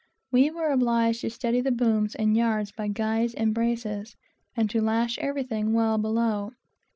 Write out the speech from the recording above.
We were obliged to steady the booms and yards by guys and braces, and to lash everything well below.